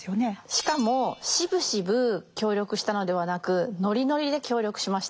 しかもしぶしぶ協力したのではなくノリノリで協力しました。